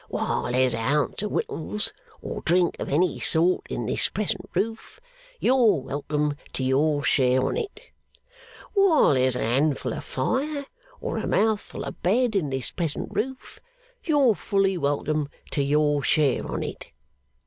While there's a ounce of wittles or drink of any sort in this present roof, you're fully welcome to your share on it. While there's a handful of fire or a mouthful of bed in this present roof, you're fully welcome to your share on it.